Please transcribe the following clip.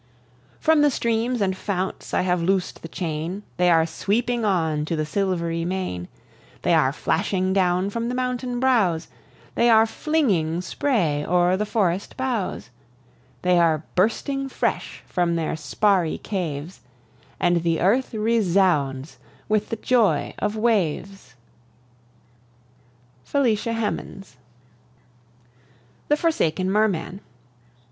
From the streams and founts I have loosed the chain; They are sweeping on to the silvery main, They are flashing down from the mountain brows, They are flinging spray o'er the forest boughs, They are bursting fresh from their sparry caves, And the earth resounds with the joy of waves. FELICIA HEMANS. THE FORSAKEN MERMAN.